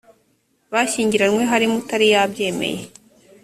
bashyingiranywe harimo utari yabyemeye